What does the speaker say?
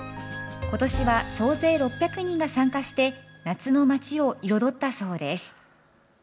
ことしは総勢６００人が参加して夏の街を彩ったそうです。